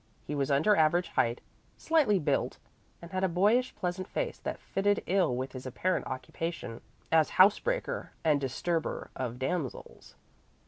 He was under average height, slightly built, and had a boyish, pleasant face that fitted ill with his apparent occupation as house breaker and disturber of damsels.